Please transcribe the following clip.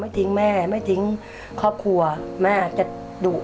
ไปทิ้งแม่ส่งทุกผู้ข้อ